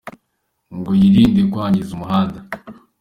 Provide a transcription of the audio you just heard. Ngo yirinde kwangiza umuhanda.